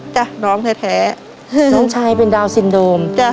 น้องแท้น้องชายเป็นดาวนซินโดมจ้ะ